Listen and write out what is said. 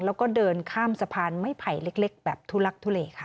แล้วก็เดินข้ามสะพานไม้ไผ่เล็กแบบทุลักทุเลค่ะ